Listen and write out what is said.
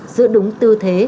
giữ đúng tư thế